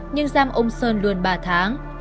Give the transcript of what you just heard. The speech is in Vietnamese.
nhưng giam ông sơn luôn ba tháng